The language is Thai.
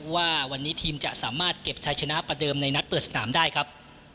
ว่าวันนี้ทีมจะสามารถเก็บชายชนะประเดิมในนัดเปิดสนามได้ครับ